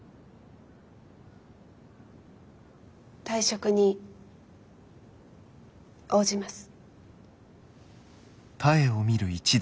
退職に応じます。